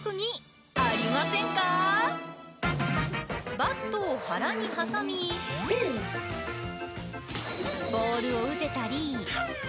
バットを腹に挟みボールを打てたり。